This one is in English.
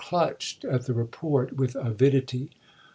clutched at the report with avidity.